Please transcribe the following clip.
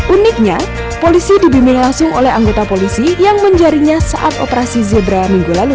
uniknya polisi dibimbing langsung oleh anggota polisi yang menjarinya saat operasi zebra minggu lalu